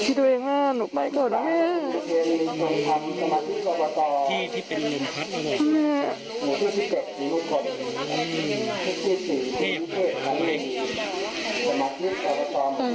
คิดเอาเองอ่ะหนูไปก่อนแม่ที่ที่เป็นลุงพรรดิ